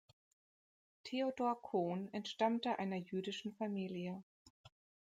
Theodor Kohn entstammte einer jüdischen Familie.